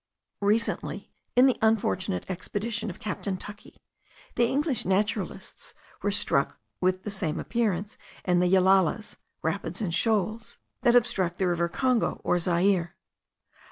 Recently, in the unfortunate expedition of Captain Tuckey, the English naturalists were struck with the same appearance in the yellalas (rapids and shoals) that obstruct the river Congo or Zaire. Dr.